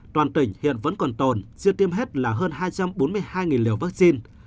toàn tỉnh hiện vẫn còn tồn siêu tiêm hết là hơn hai trăm bốn mươi hai liều vaccine